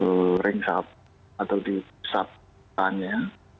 ke ring sub atau di sub tahunnya